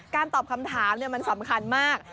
ตอบคำถามมันสำคัญมาก